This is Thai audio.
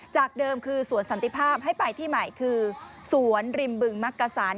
จากเดิมคือสวนสันติภาพให้ไปที่ใหม่คือสวนริมบึงมักกะสัน